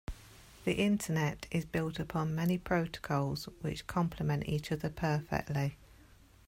The internet is built upon many protocols which compliment each other perfectly.